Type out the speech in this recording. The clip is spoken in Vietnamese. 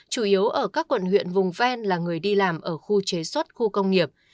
chủ yếu ở các quận huyện vùng ven là người đi làm ở khu chế xuất khu công nghiệp